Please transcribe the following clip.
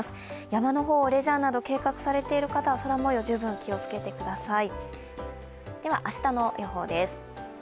山の方、レジャーなど計画されている方、空もように十分気をつけてください。